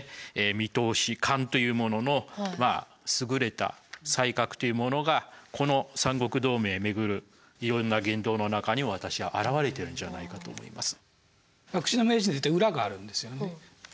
見通し勘というものの優れた才覚というものがこの三国同盟をめぐるいろんな言動の中にも私は表れてるんじゃないかと思います。